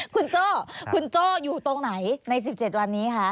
คุณโจ้คุณโจ้อยู่ตรงไหนใน๑๗วันนี้คะ